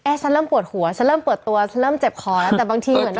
ฉันเริ่มปวดหัวฉันเริ่มเปิดตัวฉันเริ่มเจ็บคอแล้วแต่บางทีเหมือน